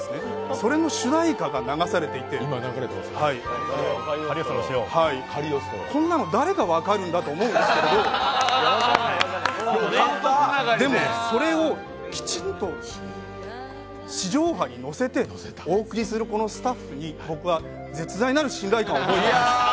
それの主題歌が流されていてこんなの、誰が分かるんだと思うんですけれどでもそれをきちんと地上波に乗せてお送りするスタッフに僕は絶大なる信頼感を覚えました。